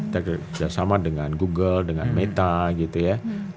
kerjasama dengan google dengan meta gitu ya